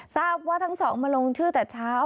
ทราบว่าทั้งสองมาลงชื่อแต่เช้า